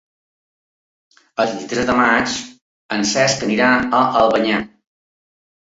El vint-i-tres de maig en Cesc anirà a Albanyà.